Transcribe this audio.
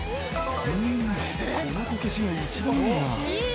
このこけしが一番いいな。